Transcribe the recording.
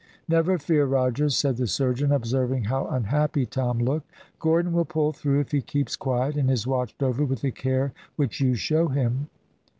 "Never fear, Rogers," said the surgeon, observing how unhappy Tom looked, "Gordon will pull through if he keeps quiet, and is watched over with the care which you show him."